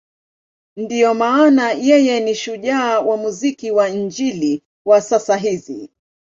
Ndiyo maana yeye ni shujaa wa muziki wa Injili wa sasa hizi.